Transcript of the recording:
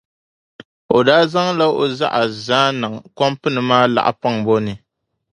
O daa zaŋ la o zaɣa zaa n-niŋ kɔmpini maa laɣi paŋbo ni.